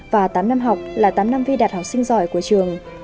và tám năm học là tám năm vi đạt học sinh giỏi của trường